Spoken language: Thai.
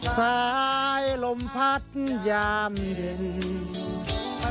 ซ้ายลมพัดยามนิน